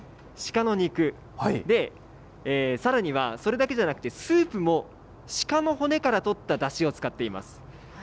鹿の肉、で、さらにはそれだけじゃなくてスープも鹿の骨から取っただしを使っています。